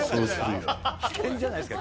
危険じゃないですか。